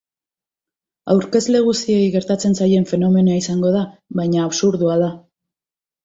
Aurkezle guztiei gertatzen zaien fenomenoa izango da, baina absurdua da.